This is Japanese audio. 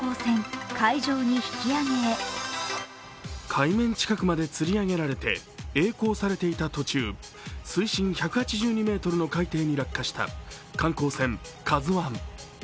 海面近くまでつり上げられてえい航されていた途中水深１８２ｍの海底に落下した観光船「ＫＡＺＵⅠ」。